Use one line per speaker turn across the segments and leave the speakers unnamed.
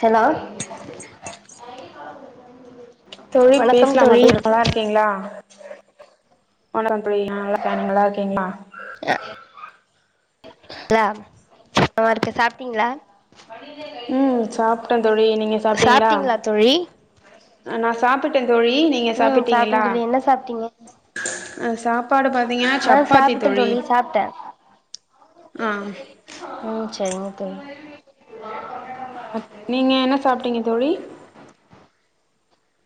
hello
தோழி பேசலாமா
தோழி
இப்ப நல்லாருக்கிங்ளா வணக்கம் தோழி நா நல்லாருக்க நீங்க நல்லாருக்கிங்ளா
அ [unintelligible] இருக்க சாப்ட்டிங்ளா
ம் சாப்ட்ட தோழி நீங்க சாப்ட்டிங்ளா
சாப்ட்டீங்களா தோழி
நா சாப்பிட்டே தோழி நீங்க
ம்
சாப்பிட்டிங்களா
சாப்ட்டேன் தோழி என்ன சாப்ட்டீங்க
ஆ சாப்பாடு பாத்திங்கனா
ஆ
சப்பாத்தி
சாப்ட்டே
தோழி
சாப்ட்டே
ஆ
ம் சரிங்க தோழி
நீங்க என்ன சாப்ட்டீங்க தோழி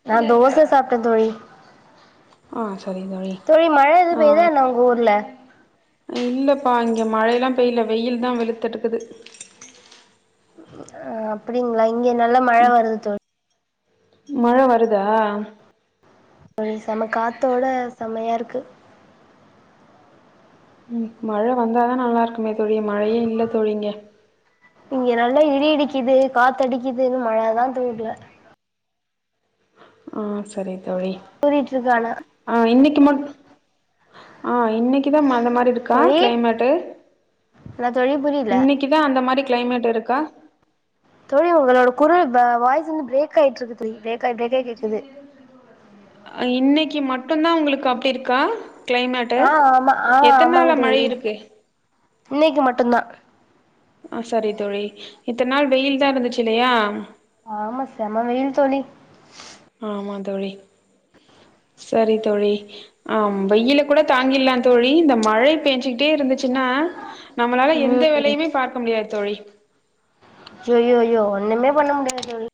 நா தோச சாப்ட்ட தோழி
ஆ சரி
தோழி மழ எது
ஆ
பெய்தா என்ன உங்க ஊர்ல
இல்லப்பா இங்க மழைலா பெய்ல வெய்யில்தா வெளுத்தெடுக்குது
ஆ அப்டிங்ளா இங்க நல்லா மழ வருது தோழி
மழ வருதா
தோழி செம காத்தோட செமையா இருக்கு
ம் மழ வந்தாதா நல்லாருக்குமே தோழி மழையே இல்ல தோழி இங்க
இங்க நல்லா இடி இடிக்குது காத்தடிக்குது இன்னு மழதா தூறுல
ஆ சரி தோழி
தூறிட்டு இருக்கு ஆனா
ஆ இன்னிக் ம ஆ இன்னிக்குதா ம மாரிருக்கா
தோழி
கிளைமேட்டு
என்ன தோழி புரியல
இன்னைக்குதா அந்த மாரி கிளைமேட் இருக்கா
தோழி உங்களோட குரல் வா வாய்ஸ் வந்து பிரேக் ஆயிட்டு இருக்கு தோழி பிரேக் ஆயி பிரேக் ஆயி கேக்குது
அ இன்னைக்கி மட் டுந்தா உங்களுக்கு அப்டி இருக்கா கிளைமேட்
ஆ ஆமா ஆ ஆமாங்க
எத்தன்நாளா மழை
தோழி
இருக்கு
இன்னைக்கு மட்டுந்தா
ஆ சரி தோழி இத்தன நாள் வெயில்தா இருந்துச்சு இல்லையா
ஆமா செம வெயில் தோழி
ஆமா தோழி சரி தோழி ஆ வெயில கூட தங்கிட்லா தோழி இந்த மழை பேஞ்சுக்கிட்டே இருந்து ச்சினா நம்மளால எந்த
ம்
வேலையுமே பாக்க முடியாது தோழி
ஐய்யோயோ ஒன்னுமே பண்ண முடியாது தோழி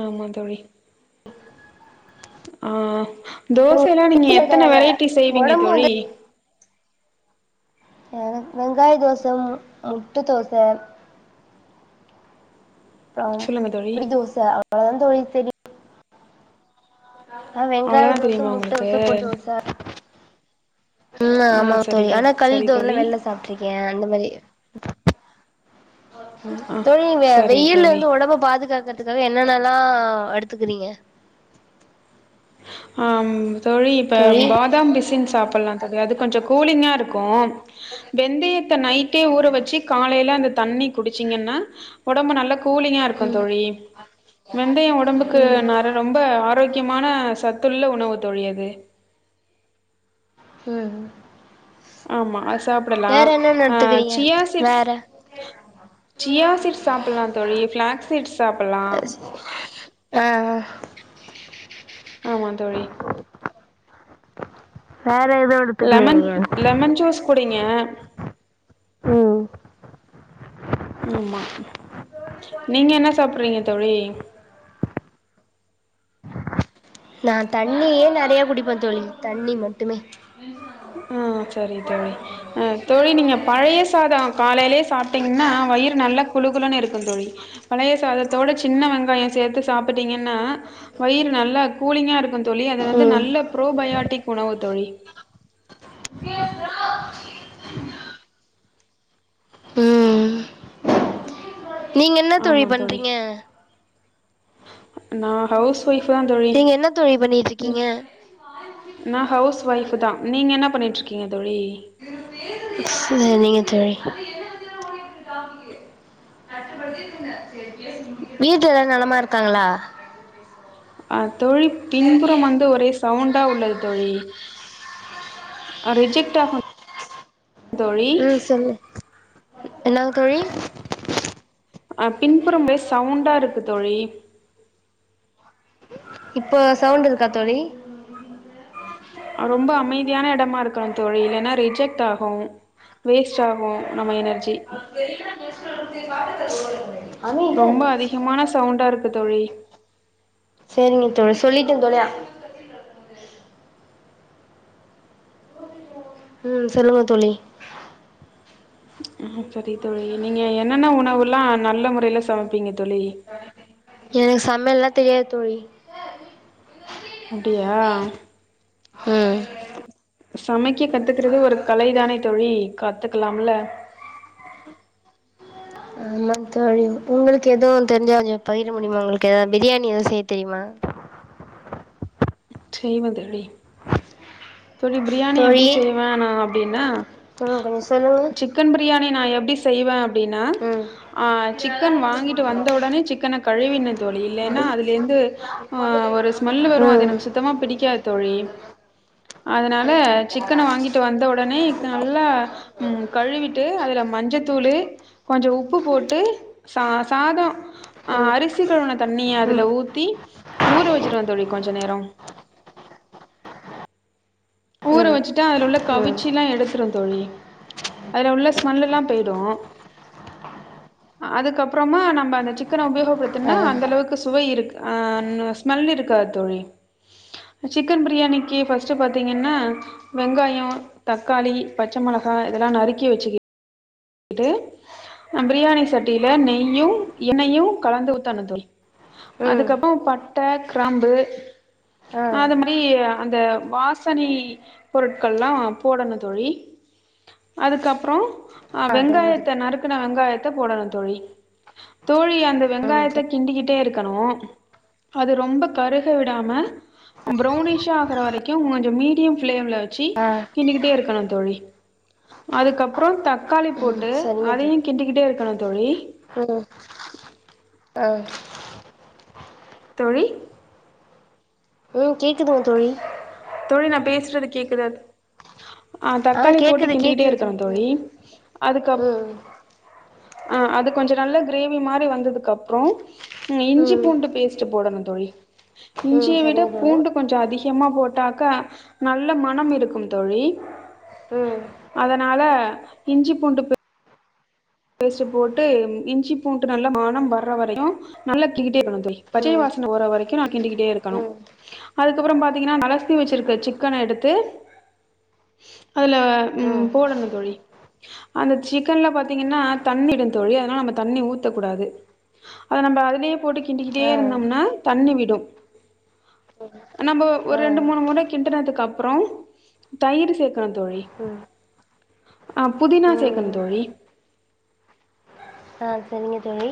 ஆமா தோழி ஆஹ் தோசையல்லா நீங்க எத்தன
தோழி
வெரைட்டி செய்வீங்க
ஒடம்பு
தோழி
வந்து ஏ வெங்காய தோச மு முட்ட தோச அ
சொல்லுங்க தோழி
புடி தோச அவ்ளோதா தோழி தெரியு ஆஹ் வெங்காய
அவ்ளோதா
தோச
தெரியுமா
முட்ட
உங்களுக்கு
தோச பொடி தோச உம்
ஆ
ஆமா
சரி
தோழி
தோ
ஆனா கல்
சரி
தோச
தோழி
வெள்ல சாப்ட்ருக்கே அந்த மாரி
ஆ
தோழி இந்த
சரி தோழி
வெயில்லருந்து ஒடம்ப பாதுகாக்கறதுக்காக என்னன்னலா ல்லா எடுத்துக்குறீங்க
ஆம் தோழி இப்ப பாதாம் பிசின் சாப்பல்லா தோழி அது கொஞ்சோ கூலிங்காருக்கு வெந்தயத்தை நைட்டே ஊற வச்சு காலையில அந் தண்ணி குடிச்சிங்கன்னா ஒடம்பு நல்லா கூலிங்கா இருக்கு
ம்
தோழி வெந்தயோ ஒடம்புக்கு
ம்
நற ரொம்ப ஆரோக்கியமான சத் த்துள்ள உணவு தோழி அது
உம்
ஆமா அது சாப்புடல்லா அ
எடுத்துக்கிறீங்க
சியா சீட்ஸ்
வேற
சியா சீட்ஸ் சாப்புல்லா தோழி பிளாக்ஸ் சீட்ஸ் சாப்புல்லா
ஆ
ஆமா தோழி
வேற எதுவு எடுத்துக்கலையா
லெமன்
நீங்க
லெமன் ஜூஸ் குடிங்க
உம்
ஆமா நீங்க என்ன சாப்பிறீங்க தோழி
நான் தண்ணியே நெறய குடிப்பே தோழி தண்ணி மட்டுமே
ஆ செரி தோழி ஆ தோழி நீங்க பழைய சாதம் காலயிலயே சாப்பிட்டீங்கன்னா வயிறு நல்ல குழுகுலன்னு இருக் இருக்கும் தோழி பழைய சாதத்தோடு சின்ன வெங்காயோ சேத்து சாப்பிட்டீங்கன்னா வயிறு நல்லா கூலிங்காருக்கு தோழி அது வந்து
ம்
நல்ல ப்ரோபயாட்டிக் உணவு தோழி
ம் நீங்க என்ன தோழி பண்றீங்க
நா ஹவுஸ் வைஃப் தா தோழி
நீங்க என்ன தோழி பண்ணிட்ருக்கீங்க
நா ஹவுஸ் வைஃப் தா நீங்க என்ன பண்ணிட்டு இருக்கீங்க தோழி
செரி தோழி வீட்ல எல்லா நலமா இருக்காங்களா
தோழி பின்புறம் வந்து ஒரே சவுண்டா உள்ளது தோழி அ ரிஜெக்டாகு
உம் சொல்லு என்னங்க தோழி
அ பின்புறம்பு சவுண்டா இருக்கு தோழி
இப்போ சவுண்ட் இருக்கா தோழி
ரொம்ப அமைதியான எடமா இருக்கனு தோழி இல்லன்னா ரிஜெக்ட் ஆகு வேஸ்ட் ஆகு நம்ம எனர்
அமைதியா‌ இருங்க
ரொம்ப அதிகமான சவுண்டா இருக்கு தோழி
செரிங்க தோழி சொல்லிட்டே தோழி ஆ உம் சொல்லுங்க தோழி
உஹ்ம் செரி தோழி நீங்க என்னென்ன உணவுல்லா நல்ல முறையில சமப்பீங்க
எனக்கு சமையல்ல தெரியாது தோழி
அப்டியா
ம்
சமைக் ங்கெ கத்துக்குறது ஒரு கலைதானே தோழி கத்துக்கலாம்ல
ஆமா தோழி உங்களுக்கு எதுவு தெரிஞ்சா கொஞ்சொ பகிர முடியுமா உங்களுக்கு பிரியாணி எதவு செய்ய தெரியுமா
செய்வ தோழி தோழி பிரியாணி எப்டி
தோழி
செய்வே நா அப்டின்னா
ம் கொஞ்சோ சொல்லுங்க
சிக்கன் பிரியாணி நா எப்டி செய்வே அப் டினா
ம்
ஆ சிக்கன் வாங்கிட்டு வந்த ஒடனே சிக்கனா கழுவினொ தோழி இல்லேன்னா
ம்
அதுலருந்து ஒரு ஸ்மெல் வரு அது எனக்கு சுத்
ம்
பிடிக்காது தோழி அதனால சிக்கன வாங்கிட்டு வந்த ஒடனே நல்லா கழுவிட்டு அதுல மஞ்ச தூ ளு கொஞ்சொ உப்பு போட்டு ச சாதொ அஹ் அரிசி கழுவுன தண்ணிய அதுல
ம்
ஊத்தி ஊற வச்சிருவே தோழி கொஞ்ச நேரொ
ம்
ஊற
ம்
வச்சுட்டு அதுல உள்ள கவிச்சு எல்லா எடுத்துருவ தோழி அதுல உள்ள ஸ்மெல் எல்லா போய்டு அதுக்கப்பறமா நம்ம அந்த சிக்கன உபயோக
ஆ
படுத்துன்னா அந்த அளவுக்கு சுவை இருக் ஆஹ் னுவ ஸ்மெல் இருக்காது தோழி சிக்கன் பிரியாணிக்கு ஃபஸ்ட்டு பாத் தீங்கன்னா வெங்காயோ தக்காளி பச்ச மெளகா இதெல்லா நறுக்கி வெச்சுக் கிட்டு பிரியாணி சட்டில நெய்யு எண்ணெய்யு கலந்து ஊத்தனு தோழி
ம்
அதுக்கப்பறோ பட்ட கிராம்பு
ஆ
அது மாயி அந்த வாசனை பொருட்கள்லா போடனு தோழி அதுக்கப்றோ ஆஹ்
ஆ சரிங்க தோழி
வெங்காயத்த நறுக்குன வெங்காய த போடணு தோழி தோழியா அந்த
ம்
வெங்காயத்த
சரி
கிண்டிகிட்டே இருக் கணு அது ரொம்ப கருக விடாம ப்ரௌனிஷா க்கற வரைக்கு கொஞ்சோ மீடியம் ஃபிளேம்ல வச்சி
ஆ
கிண்டிகிட்டே இருக்கணு தோழி அதுக்கப்றோ தக் காளி
ம்
போட்டு
சரிங்க தோழி
அதையு கிண்டிகிட்டே இருக்கணு தோழி
அ
தோழி
ம் கேக்குதுங்க தோழி
தோழி நா பேசுறது கேக்குதா ஆ தக்காளி போட்டு கிண்டிகிட்டே இருக்கணு தோழி அதுக்கப்பு
ம்
ஆ அது கொஞ்சோ நல்ல கிரேவி மாதிரி வந்ததுக்கு அப்றோ ம் இஞ்சி பூண்டு பேஸ்ட்ட போடணு தோழி
ம்
இஞ்சிய
ம்
விட
சரிங்க தோழி
பூண்டு அதிகமா போட்டாக்கா நல்ல மணம் இருக்கும் தோழி
ம்
அதனால இஞ்சி பூண்டு பே பேஸ்ட் போட்டு இஞ்சி பூண்டு நல்லா மணம் வர்ற வரைக்கும் நல்லா கிண்டிடே இருக்கணு தோழி
ம்
பச்சை வாசனை போற வரைக்கு நா கிண்டிகிட்டே இருக்கணு அதுக்கப்றோ பாத்தீங்கன்னா அலசி வச்சிருக்க சிக்கன எடுத்து அதுல
ம் ம்
போடணு தோழி அந்த சிக்கன்ல பாத்தீ பாத்தீங்கன்னா தண்ணி விடு தோழி அதனால தண்ணி ஊத்தக்கூடாது அத நம்ப அதலே போட்டு கிண்டிகிட்டே
ஆ
இருந்தோம்னா தண்ணி விடு நம்ப ஒரு
ஆ
ரெண்டு மூணு முற கிட்டுனதுக்கு அப்றோ தயிர் சேக்கணு தோழி
ம்
ஆ புதினா சேக்கணு
ம்
தோழி
ஆ செரிங்க தோழி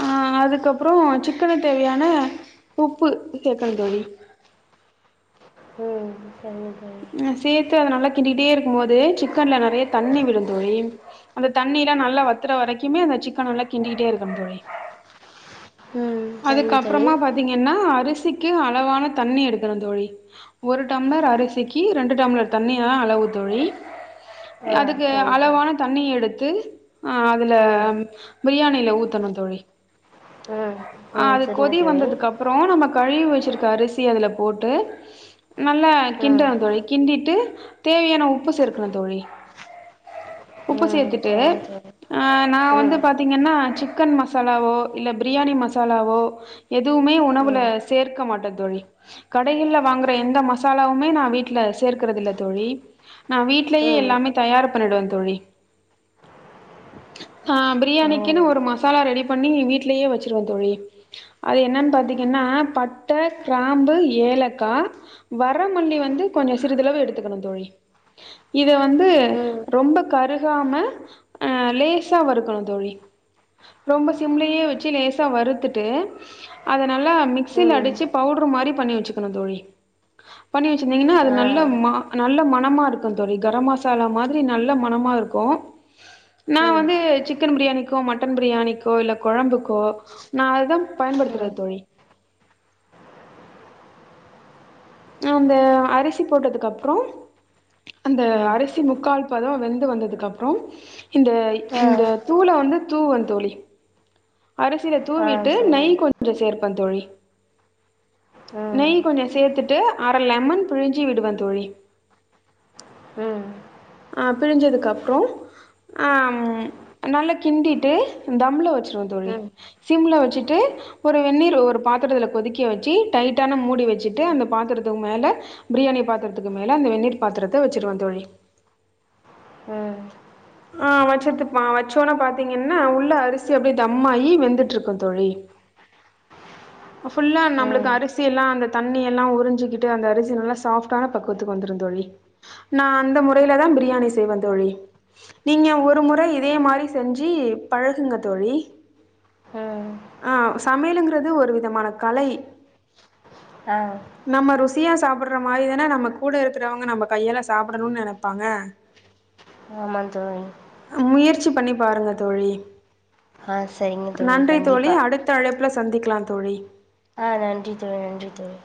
ஆ அதுக்கப்பறோ சிக்கன தேவ்யான உப்பு சேக்கனு தோழி
ம் சரிங்க தோழி
ம் சேத்து அத நல்ல கிண்டிட்டே இருக்கும்போது சிக்கன்ல நறைய தண்ணி விடும் தோழி அந்த தண்ணில்லா நல்லா வத்துற வரக்குமே அந்த சிக்கன் நல்லா கிண்டிட்டே இருக்கணு தோழி
ம் சரிங்க தோழி
அதுக்கப்புறமா பாத்தீங்கன்னா அரிசிக்கும் அளவான தண்ணி எடுக்கணு தோழி ஒரு டம்ளர் அரிசிக்கு ரெண்டு டம்ளர் தண்ணி தா அளவுத் தோழி
ஆ
அதுக்கு
சரிங்க தோழி
அளவான தண்ணி எடுத்து அ அதுல
ம்
பிரியாணில ஊத்தணு தோழி
ம்
ஆ
ம்
அது
சரிங்க
கொதி
தோழி
வந்ததுக்கு அப்புறோ நம்பக் கழுவி வச்சிருக்க அரிசிய அதுல போட்டு நல்லா
ம்
கிண்டணு தோழி கிண்டிட்டு தேவையான உப்பு சேர்க்கணு தோழி உப்பு
ம்
சேர்த்துட்டு
சரிங்க தோழி
அ நா வந்து
ம்
பா்த்தீங்கன்னா சிக்கன் மசாலாவோ இல்ல பிர் பிரியாணி மசாலாவோ எதுவுமே உணவுல
ம்
சேர்க்க மாட்ட தோழி கடைகள்ல வாங்குற எந்த மசாலாவுமே நா வீட்டுல சேர்க்குறது இல்ல தோழி நா வீட்லயே
ம்
எல்லாமே தயார் பண்ணடுவ தோழி ஹா
ஓ
பிரியாணிக்குன்னு ஒரு மசாலா ரெடி பண்ணி வீட்லயே வச் சிருவ தோழி அது என்ன பாத்தீங்கன்னா பட்ட கிராம்பு ஏலக்கா வரமல்லி வந்து கொஞ்சோ சிறிதளவு எடுத்துக்கணு தோழி இது இத வந்து
ம்
ரொம்ப கருகாம லேசா வறுக்கணு தோழி ரொம்ப சிம்ளயே வச்சு லேஸ் தா வருத்துட்டு அத நல்லா மிக்சில
ம்
அடிச்சு பவுட்ரு மாரி பண்ணி வச்சுக்கணு தோழி பண்ணி வச்சிருந்தீங்னா அது
ஆ
நல்ல மா நல்ல ம மணமா இருக்கு தோழி கரம் மசாலா மாத்ரி நல்ல மணமா இருக்கு நா
ம்
வந்து சிக்கன் பிரியாணிக்கோ மட்டன் பிரியாணிக்கோ இல்ல கொழம்புக்கோ நா அததா
ம்
பயன்படுத்துறத் தோழி அந்த அரிசி போட்டதுக்கு அப்றோ அந்த
ம்
அரிசி முக்கால் பதோ வெந்து வந்ததுக்கு அப்றோ இந்த
ஆ
இந்த தூள வந்து தூவே தோழி அரிசியில
ஆ
தூவிட்டு நெய்
சேரிங்க
கொஞ்சோ சேர் ப்பே தோழி
ம்
நெய் கொஞ்சோ சேத்துட்டு அர லெமன் பிழிஞ்சி விடுவே தோழி
ம்
அ பிழிஞ்சதுக்கப்புறோ அ ம் நல்லா கிண்டிட்டு தம்ல வச்சிருவோ தோழி
ம்
சிம்ல வச்சுட்டு ஒரு வெந்நீர் ஒரு பாத்திரத்துல கொதிக்க வெச்சு டைட்டான மூடி வச்சுட்டு அந்த பாத்திரத்துக் மேல ப்ரியாணி பாத்தரத்துக்கு மேல அந்த வெந்நீர் பாத்திரத்த வச்சிருவே தோழி
ம்
அ வச்சுட்டுருப்பா வச்சோனே பாத்தீங்கன்னா உள்ள அரிசி அப்டே தம்மாயி வெந்துட்டுருக்கு தோழி ஃபுல்லா நம்ப்ளுக்கு
ம்
அரிசி எல்லா அந்த தண்ணி எல்லா உறிஞ்சுக்கிட்டு அந்த அரிசி நல்லா சாஃப்டான பக்குவத்துக்கு வந்துரு தோழி நா அந்த முறையில தா பிரியாணி செய்வே தோழி நீங்க ஒரு முறை இதே மாரி செஞ்சி பழகுங்க தோழி
ம்
அ சமையலுங்க இது அது ஒரு விதமான கலை
ஆ
நம்ம ருசியா சாப் சாப்புட்ற மாரி தான நம்ம கூட இருக்கிறவங்க நம்ம கையால்ல சாப்புடணுன் நெனப்பாங்க
ஆமாங் தோழி
சி பண்ணி பாருங்க தோழி
ஆ சரிங்க
நன்றி தோழி
கண்டிப்பா
அடுத்த அழைப்ல சந் சந்திக்லா தோழி
அ நன்றி தோழி நன்றி தோழி